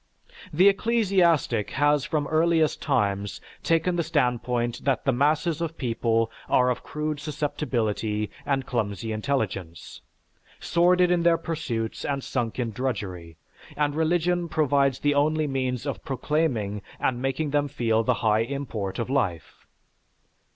The ecclesiastic has from earliest times taken the standpoint that the masses of people are of crude susceptibility and clumsy intelligence, "sordid in their pursuits and sunk in drudgery; and religion provides the only means of proclaiming and making them feel the high import of life."